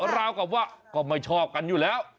ราวกับว่าก็ไม่ชอบกันอยู่แล้ว